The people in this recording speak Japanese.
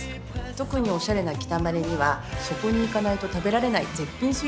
特におしゃれな北マレにはそこに行かないと食べられない絶品スイーツがあるんです。